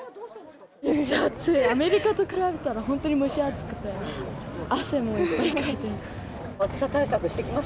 アメリカと比べたら、本当に蒸し暑くて、汗もいっぱいかいて。